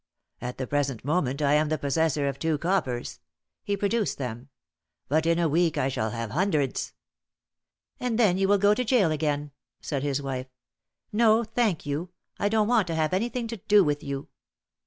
At the present moment I am the possessor of two coppers" he produced them. "But in a week I shall have hundreds." "And then you will go to gaol again," said his wife. "No, thank you, I don't want to have anything to do with you.